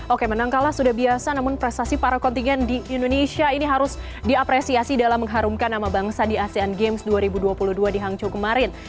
oke menang kalah sudah biasa namun prestasi para kontingen di indonesia ini harus diapresiasi dalam mengharumkan nama bangsa di asean games dua ribu dua puluh dua di hangzhou kemarin